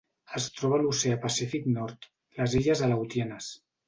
Es troba a l'Oceà Pacífic nord: les Illes Aleutianes.